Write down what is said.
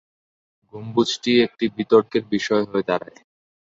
গম্বুজটি একটি বিতর্কের বিষয় হয়ে দাড়ায়।